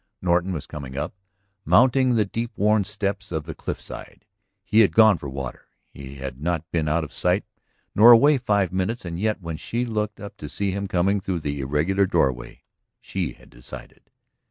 Norton was coming up, mounting the deep worn steps in the cliff side. He had gone for water; he had not been out of sight nor away five minutes. And yet when she looked up to see him coming through the irregular doorway she had decided.